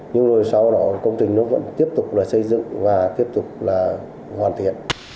nhưng rồi sau đó công trình nó vẫn tiếp tục là xây dựng và tiếp tục là hoàn thiện